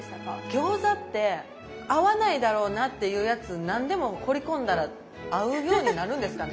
餃子って合わないだろうなっていうやつ何でも放り込んだら合うようになるんですかね？